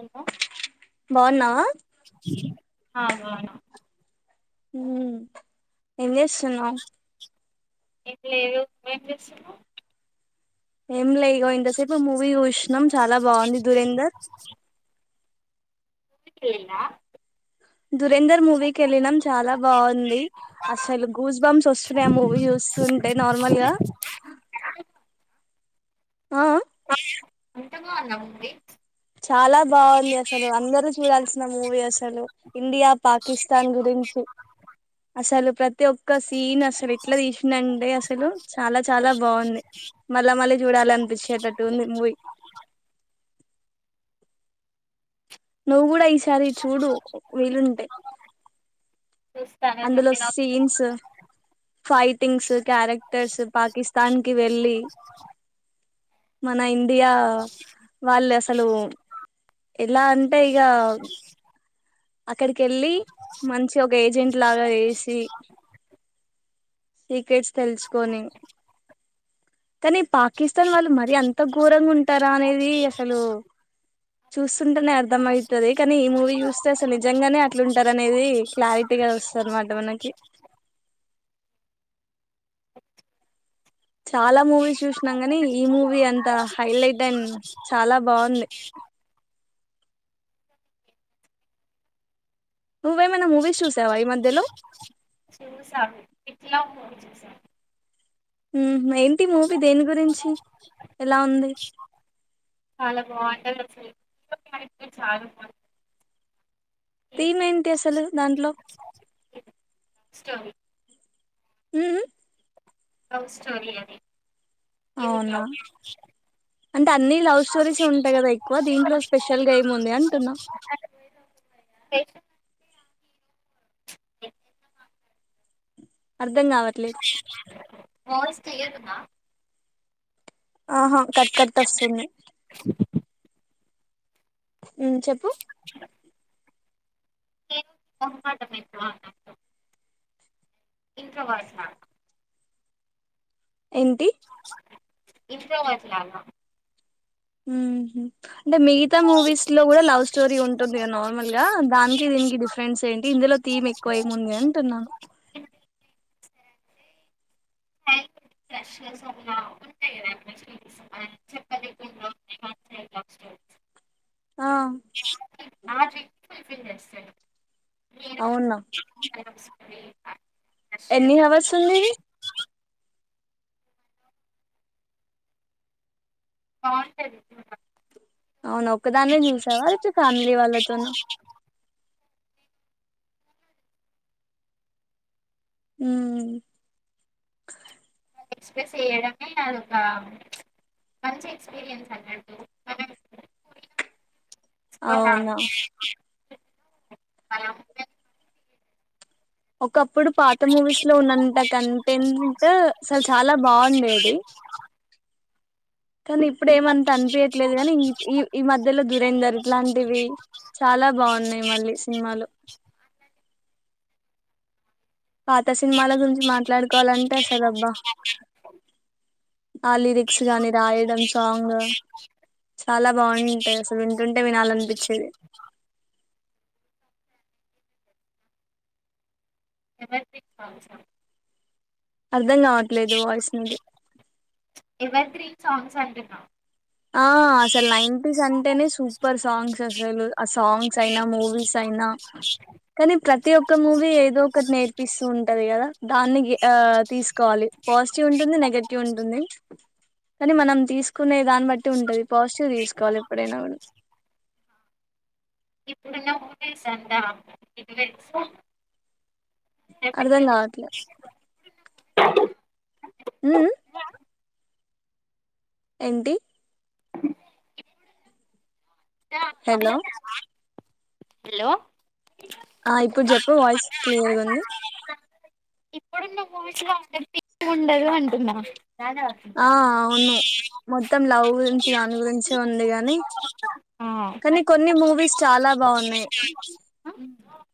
ఎంత బావున్నావా అవునవును మ్ ఏం చేస్తున్నావు ఏం లేదు నువ్వు ఏం చేస్తున్నావు ఎంలే ఇగో ఇంతసేపు మూవీ చూసినాం చాలా బావుంది దురేందర్ టి వి ల్నా దురేందర్ మూవీకి వెళ్ళినాం చాలా బావుంది అసలు గూస్ బంస్ వస్తున్నాయి ఆ మూవీ చూస్తుంటే నార్మల్గా అ ఆ అంతా బావుందా మూవీ చాలా బాగుంది అసలు అందరు చూడాల్సిన మూవీ అసలు ఇండియా పాకిస్తాన్ గురించి అసలు ప్రతి ప్రతి ఒక్క సీన్ అసలు ఎట్లా తీసిండు అంటే అసలు చాలా చాలా బావుంది మళ్ళా మళ్ళీ చూడాలనిపించేటటు ఉంది మూవీ నవ్వు కూ డ ఈసారి చూడు వీలుంటే అందులో సీన్స్ ఫైటింగ్స్ క్యారెక్టర్స్ పాకిస్తాన్ కి వెళ్లి మన ఇండియా వాళ్ళు అసలు ఎలా అంటే ఇగ అక్కడికి వెళ్ళి మంచి ఒక ఏజెంట్ లాగా చేసి సీక్రెట్స్ తెలుసుకొని కాని పా కిస్తాను వాళ్ళు మరీ అంత ఘోరంగా ఉంటారా అనేది అసలు చూస్తుంటేనే అర్థం అయితది కానీ ఈ మూవీ చూస్త అసలు నిజంగానే అట్లుంటారు అనేది క్లారిటీగా వస్తాది అన్నమాట మనకి చాలా మూవీస్ చూసినాం గాని ఈ మూవీ అంత హైలైట్ అండ్ చాలా బాగుంది నువ్వు ఏమైనా మూవీస్ చూస్యవా ఈ మధ్యలో ఇట్లా మూవీ చూసాను హ ఏంటి మూవీ దేని గురించి ఎలా ఉంది చాలు థీమ్ ఏంటి అసలు దాంట్లో హ్మ్మ్ హ్మ్మ్ లవ్ స్టోరీ అది అవునా అంటే అన్ని లవ్ స్టోరీస్ ఉంటాయి కదా ఎక్కువ దీంట్లో స్పెషల్ గా ఏముంది అంటున్నా [unintelligible] [unintelligible] అర్ధం కావట్లేదు వాయిస్ క్లియర్ గా ఉందా ఆహా కట్ కట్ వస్తుంది చెప్ప హీరో కి మొహమాటం ఎక్కువ దాంట్లో ఇంట్రోవర్ట్ లా ఏంటి ఇంట్రోవర్ట్ లా అన్న హ అంటే మిగతా మూవీస్ లో కూడా లవ్ స్టోరీ ఉంటుందిద నార్మల్ గా దానికి దీనికి డిఫరెన్స్ ఏంటి ఇందులో థీమ్ ఎక్కువ ఏం ఉంది అంటున్నా [unintelligible] అ ఆ ఫిన్నెట్స్ రెండు అవున్నా ఎన్ని హవర్స్ ఉందిది బావుంటది అవును ఒదాన్నే చూసావా లేకపోతే ఫ్యామిలీ వాళ్ళతోనూ హ్మ్ ఎక్స్ప్రెస్ చేయడమే అదొక ఒక మంచి ఎక్స్పీరియన్స్ అన్నాడు మనం సనా అవునా హలో ఒకప్పుడు పాత మూవీస్ లో ఉన్నంత కంటెంట్ అసలు చాలా బాగుండేది కానీ ఇప్పుడేమన్త అనిపయట్లేదు గని ఇప్ ఈ మధ్య మద్ద్యలో దురేందర్ ఇట్లాంటివి చాలా బాగున్నాయి మళ్ళీ సినిమాలు పాత సినిమాల గురించి మాట్లాడుకోవాలంటే అసలుబ్బా ఆ లిరిక్స్ గాని రాయడం సాంగ్ చాలా బాగుంటధి అసలు వింటుంటే వినాలనిపిచ్చేది ఎవరిది పౌండ్సు అర్ధం కావట్లేదు వాయిస్ మీది సాంగ్ సంజన ఆ అసలు నైన్ ట్రిస్ అంటేనే సూపర్ సాంగ్స్ అసలు ఆ సాంగ్స్ అయినా మూవీస్ అయినా కనీ ప్రతి ఒక్క మూవీ ఏదో ఒకటి నేర్పిస్తూ ఉంటది గదా దాన్ని గె ఆ తీసుకోవాలి పాజిటివ్ ఉంటుంది నెగటివ్ ఉంటుంది కని మనం తీసుకునే దా ఉంటది పాజిటివ్ తీసుకోవాలి ఎప్పుడైనా గుడా ఇప్పుడున్న హింపేసంట అర్ధం కావట్లే ఏ మ్ము ఎంటి హలో హలో ఆ ఇప్పుడు చెప్పు వాయిస్ క్లియర్గున్ది ఇప్పుడున్న వాయిస్ లో అంత రిపీట్గుండదు అంటున్నా ఆ అవును మొత్తం లవ్ గురించి దాని గురించే ఉంది గాని ఆ కానీ కొన్ని మూవీస్ చాలా బాగున్నాయి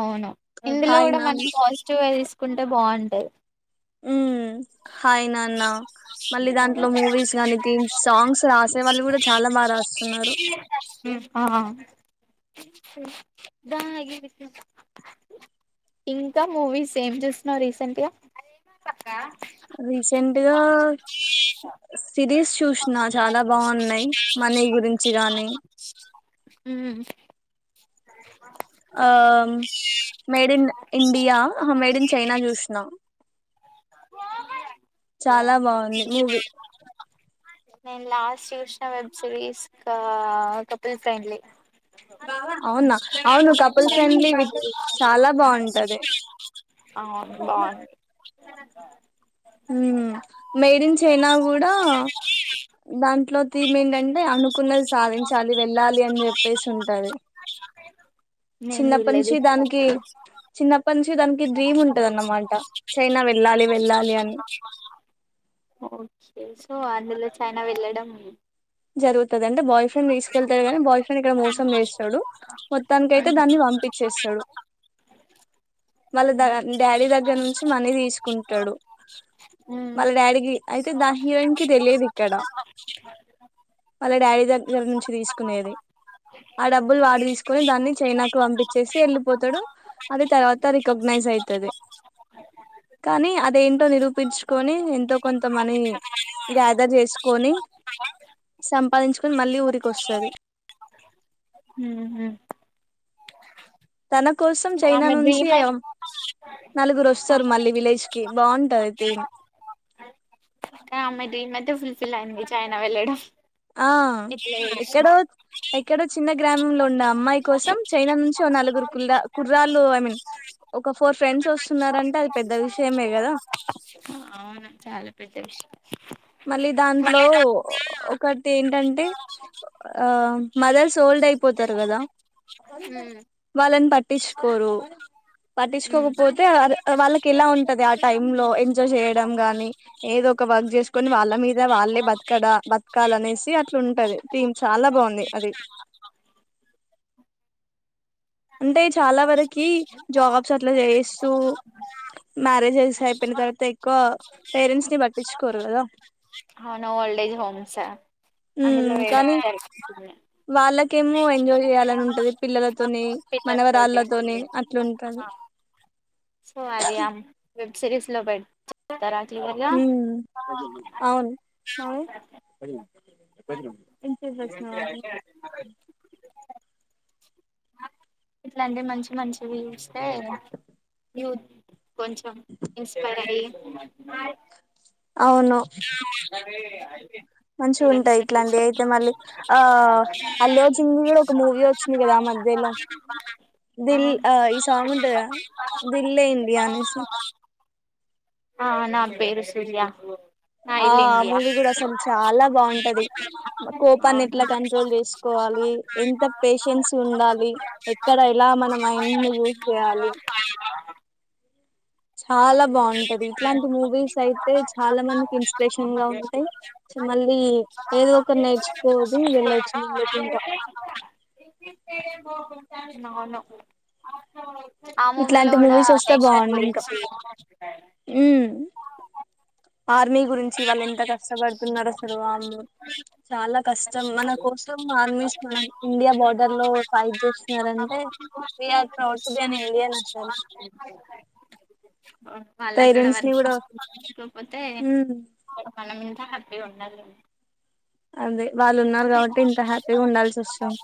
అవును ఇందులో హాయ్ గుడ నాన్న మనం పాజిటివే తీసుకుంటే బాగు అంటె ఉమ్ హాయ్ నాన్న మళ్ళీ దాంట్లో మూవీస్ గానీ థీమ్స్ సాంగ్స్ రాసే వాళ్ళు గుడా చాలా బాగా రాస్తున్నారు హ్మ్ ఆ ఇంకా మూవీస్ ఏం జూస్తున్నావు రీసెంట్గా రీసెంట్గా సిరీస్ చూసిన చాలా బాగున్నాయి మనీ గురించి గాని హమ్ ఆమ్ made in India made in China చూసినా చాలా బాగుంది మూవీ నేను last Krishna web series couple friendly అవునా అవును కపుల్ ఫ్రెండ్లీ విత్ చాలా బాగుంటాది అ హమ్ మేడిన్ చైనా కూడా దాంట్లో థీమ్ ఏంటంటే అనుకున్నది సాధించాలి వెళ్ళాలి అని చెప్పేసి ఉంటాది నేను చిన్నపటి చూడలేదు నుంచి ఇంకా దానికి చిన్నపటి నుంచి దానికి డ్రీమ్ ఉంటాది అన్నమాట చైనా వెళ్ళాలి వెళ్ళాలి అని ఓకే సో అందులో చైనా వెళ్ళడం జరుగుతుంది అంటే బాయ్ ఫ్రెండ్ తీసుకెళ్తాడు కాగాని బాయ్ ఫ్రెండ్ ఇక్కడ మోసం వేస్తాడు మొత్తానికి అయితే దాన్ని పంపించేస్తాడు వాళ్ళ ద డాడీ దగ్గర నుంచి మన అ తీసుకుంటాడు ఉమ్ మళ్ళ డాడీకి అయితే దా హీరోయిన్ కి తెలియదు ఇక్కడ వాళ్ళ డాడీ దగ్గర నుంచి తీసుకునేది ఆ డబ్బులు వాడు తీసుకుని దాన్ని చైనాకు పంపించేసి వెళ్ళిపోతాడు అది తర్వాత రికగ్నైజ్ అయితుంది కానీ అదేంటో నిరూపించుకొని ఎంతో కొంత మనీ గ్యాదర్ చేసుకొని సంపాదించుకుని మళ్ళీ ఊరికి వస్తుంది తన కోసం చైనా ఆమె నుంచి డ్రీమ్ అయితే నలుగురు వస్తారు మళ్ళీ విలేజ్ కి బాగుంటంది అయితే ల్య చైనా వెళ్ళాడం ఆ ఎక్కడో ఎక్కడో చిన్న గ్రామంలో ఉన్న అమ్మాయి కోసం చైనా నుంచి ఓ నలుగురు కుల్లా కుర్రాళ్ళు అని, ఒక ఫోర్ ఫ్రెండ్స్ వస్తున్నారంటే అది పెద్ద విషయమే కదా అవును చాలా పెద్ద విషయం మళ్ళీ దాంట్లో ఒకటి ఏంటంటే ఆ మదర్స్ హోల్డ్ అయిపోతారు కదా వాళ్ళని పట్ పట్టించుకోరు, పట్టించుకోకపోతే వాళ్ళకి ఎలా ఉంటది ఆ టై లో ఎంజాయ్ చేయడం గానీ ఏదో ఒక వర్క్ చేసు కొని వాళ్ళ మీద వాళ్ళే బతకడా, బతకాలనేసి అట్లా ఉంటది, థీమ్ చాలా బాగుంది అది అంటే చాలా వరకి జాబ్స్ అట్లా చేయిస్తూ, మ్యారేజెస్ అయిపోయిన తర్వాత ఎక్కువ పేరెంట్స్ ని పట్టించుకోరు కదా అందులా ఉమ్ వేడ కానీ వాళ్ళకేమో ఎంజాయ్ చేయాలని ఉంటది పిల్లలతోనే మన పిల్లల సో అది సిరీస్ లో పెట్స్తారా మ్ అవును అ [inaudible] ఇట్లాంటి మంచి మంచి వూ ఇస్తే యూ కొంచెం ఇన్స్పైర్ అయ్యి అవును ే అయితే మంచిగా ఉంటాయి ఇట్లాంటివి అయితే మళ్ళీ ఆ అల్లు అర్జున్ కూడా ఒక మూవీ వచ్చింది కదా ఆ మధ్యలో [unintelligible] దిల్ ఆ ఈ సాంగ్ ఉంట దిల్ అయింది అనేసి ఆ నా పేరు సూర్య నా ఇల్లు ఆ ఇండియా మూవీ కూడా అసలు చాలా బాగుంటది కోపాన్ని అవును ఎట్లా కంట్రోల్ చేసుకోవాలి ఎంత పేషెన్స్ ఉండాలి ఎక్కడ ఎలా మన మైండ్ ని యూజ్ చేయాలి చాలా బాగుం ఇట్లాంటి మూవీస్ అయితే చాలా మందికి ఇన్స్పిరేషన్ గా ఉంటాయి మళ్ళీ ఏదో ఒకరు నేర్చుకోదు వెళ్ళొచ్చు ముందుకి ఇంకా అవును ఆ మూవీలో ఇట్లాంటి కూడా [unintelligible] గురించి మ్మ్ ఆర్మీ గురించి వాళ్ళు ఎంత కష్టపడుతున్నారు అసలు చాలా కష్టం మన కోసం ఆర్మీస్ మనం ఇండియా బోర్డర్ లో fight చేస్తున్నంటే [unintelligible] are proud to be Indian వాళ్ళక్కడ పేరెంట్స్ ని కూడా [unintelligible] మనం ఇంత హ్యాపీ గా ఉండాలడి అదే వాళ్ళు ఉన్నారు కాబట్టి ఇంత హ్యాపీగా ఉండాల్సి వస్తుంది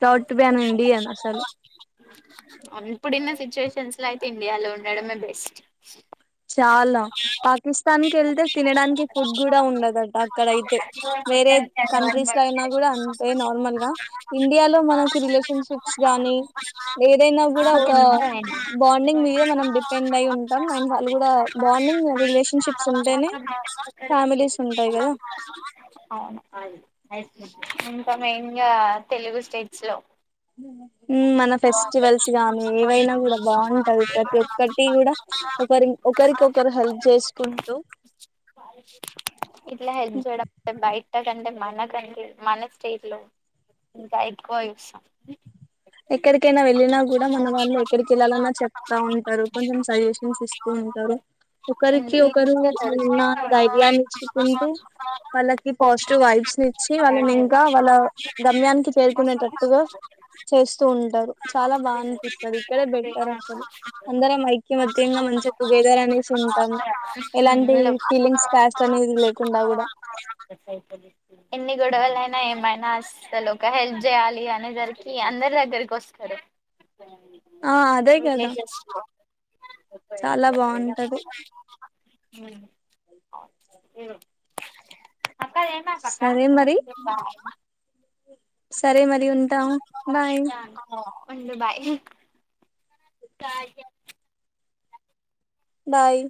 proud to be an Indian అసలు ఇప్పుడున్న సిచువేషన్ [unintelligible] ఇండియాలో ఉండడమే బెస్ట్ చాలా పాకిస్తాన్ కి వెళ్తే తినడానికి ఫుడ్ కూడా ఉండదట అక్కడయితే వేరే కంట్రీస్ లో అయినా కూడా అంతే నార్మల్ గా ఇండియాలో మనకి రిలేషన్షిప్స్ గానీ ఏదైనా కూడా ఒక బాండింగ్ మీద మనం డిపెండ్ అయి ఉంటాం [unintelligible] అండ్ వాళ్ళు కూడా బాండింగ్ రిలేషన్షిప్స్ ఉంటేనే ఫ్యామిలీస్ ఉంటాయి కదా ఇంకా మెయిన్ గా తెలుగు స్టేట్స్ లో మన ఫెస్టివల్స్ గానీ ఏవైనా కూడా బాగుం [unintelligible] ఒక్కటి కూడా ఒకరి ఒకరికి ఒకకరు హెల్ప్ చేసుకుంటూ ఇట్లా హెల్ప్ చేయడం [unintelligible] మన కంట్రీ మన స్టేట్ లో ఇంకా ఎక్కువ చూస్తాం ఎక్కడికైనా వెళ్ళినా కూడా మన వాళ్ళు ఎక్కడికి వెళ్ళాలన్నా చెప్ [unintelligible] ఉంటారు కొంచెం సజెషన్స్ ఇస్తూ ఉంటారు ఒకరికి ఒకరు ఈజీగా నేను దొరుకుతాం ఉన్నాను ధైర్యాన్ని ఇచ్చుకుంటూ వాళ్ళకి పాజిటివ్ వైబ్స్ ఇచ్చి వాళ్ళని ఇంకా వాళ్ళ గమ్యానికి చేరుకునేటట్టుగా చేస్తూ ఉంటారు చాలా బాగా అనిపిస్తుంది ఇక్కడే బెడ మంచిగా టుగెదర్ అనేసి ఉంటాము ఎలాంటి ఫీలింగ్స్ క్యాస్ట్ అనేది లేకుండా కూడా ఎన్ని గొడవలు అయ్యిన ఏమైనా అసలు ఒక హెల్ప్ చేయాలి అనేసరికి అందరి దగ్గరికి వస్తారు ఆ అదే కదా విలేజస్ ముప్ప ఉ చాలా బాగుంటది అ ఇ అక్క ఏనా పక్క సరే మరి సరే మరి ఉంటాం బాయ్ ఉ బాయ్ బాయ్